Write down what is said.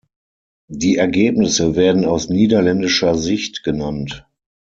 Die Ergebnisse werden aus niederländischer Sicht genannt.